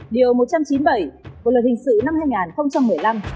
điều một trăm chín mươi bảy một lời hình sự năm hai nghìn một mươi năm